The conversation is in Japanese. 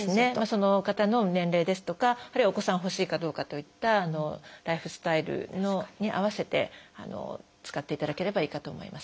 その方の年齢ですとかあるいはお子さん欲しいかどうかといったライフスタイルに合わせて使っていただければいいかと思います。